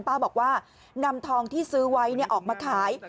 ป้าบอกว่านำทองที่ซื้อไว้ออกมาขาย